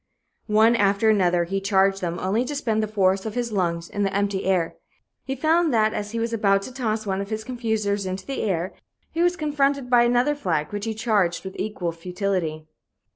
One after another he charged them, only to spend the force of his lunges in the empty air. He found that as he was about to toss one of his confusers into the air, he was confronted by another flag, which he charged with equal futility.